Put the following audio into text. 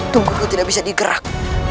tunggu tidak bisa digerak